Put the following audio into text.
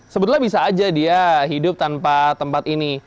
sebetulnya bisa aja dia hidup tanpa tempat ini